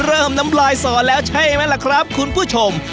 น้ำลายสอแล้วใช่ไหมล่ะครับคุณผู้ชม